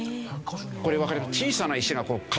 これわかります？